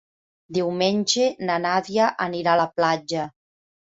Diumenge na Nàdia anirà a la platja.